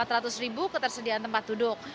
empat ratus ribu ketersediaan tempat duduk